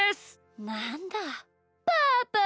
なんだパパか。